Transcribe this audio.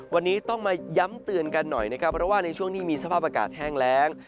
วันนี้ต้องมาย้ำเตือนกันหน่อยนะครับเพราะว่าในช่วงนี้มีสภาพอากาศแห้งแรง